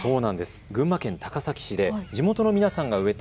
群馬県高崎市で地元の皆さんが植えた